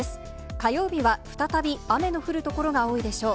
火曜日は再び雨の降る所が多いでしょう。